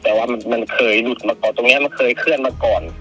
แต่ว่ามันเคยหลุดมาก่อนตรงนี้มันเคยเคลื่อนมาก่อน